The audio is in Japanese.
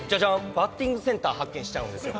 バッティングセンター発見しちゃうんですよ。